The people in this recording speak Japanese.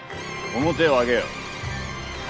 面を上げよ。